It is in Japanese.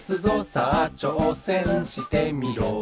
「さあちょうせんしてみろ」